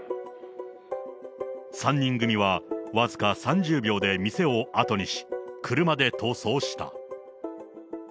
３人組は、僅か３０秒で店をあとにし、車で逃走した。